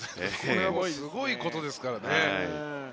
すごいことですからね。